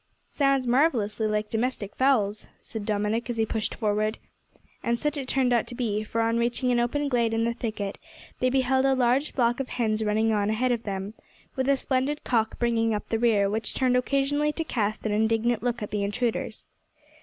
"Sounds marvellously like domestic fowls," said Dominick, as he pushed forward. And such it turned out to be, for, on reaching an open glade in the thicket, they beheld a large flock of hens running on ahead of them, with a splendid cock bringing up the rear, which turned occasionally to cast an indignant look at the intruders.